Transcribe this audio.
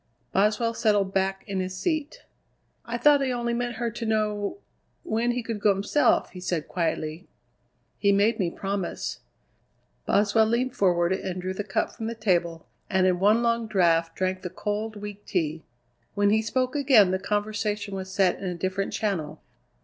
Boswell settled back in his seat. "I thought he only meant her to know when he could go himself," he said quietly. "He made me promise." Boswell leaned forward and drew the cup from the table, and in one long draught drank the cold, weak tea. When he spoke again the conversation was set in a different channel.